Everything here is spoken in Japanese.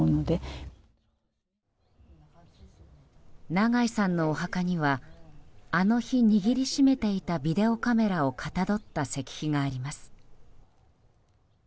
長井さんのお墓にはあの日、握りしめていたビデオカメラをかたどった石碑があります。